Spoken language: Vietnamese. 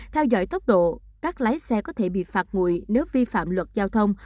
theo dõi tốc độ các lái xe có thể bị phạt nguội nếu vi phạm luật giao thông